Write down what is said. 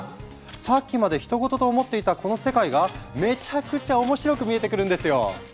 さっきまでひと事と思っていたこの世界がめちゃくちゃ面白く見えてくるんですよ！